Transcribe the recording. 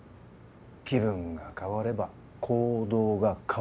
気分が変われば行動が変わる。